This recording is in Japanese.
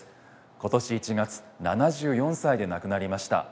今年１月７４歳で亡くなりました。